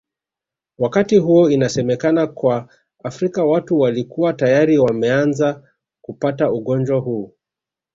wakati huo inasemekana kwa Afrika watu walikua tayari wameanza kupata ugonjwa huu